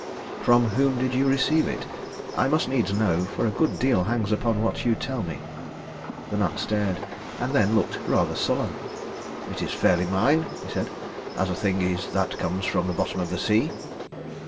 "From whom did you receive it? I must needs know, for a good deal hangs upon what you tell me." The man stared, and then looked rather sullen. "It is fairly mine," he said, "as a thing is that comes from the bottom of the sea."